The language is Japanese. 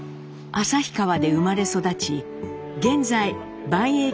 旭川で生まれ育ち現在ばんえい